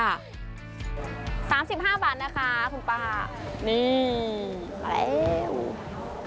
สามสิบห้าบาทนะคะคุณป่านี่